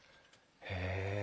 へえ。